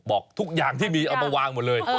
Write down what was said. บอกทุกอย่างที่มีเอามาวางหมดเลย